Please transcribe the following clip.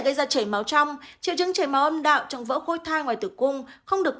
gây ra chảy máu trong triệu chứng chảy máu âm đạo trong vỡ khôi thai ngoài tử cung không được